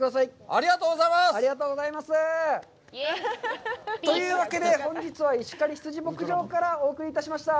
ありがとうございます！というわけで、本日は石狩ひつじ牧場からお送りいたしました。